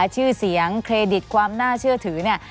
ชื่อเสียงเครดิตความน่าเชื่อถือเนี่ย